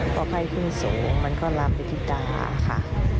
พอไข้ขึ้นสูงมันก็รับวิธีตาค่ะ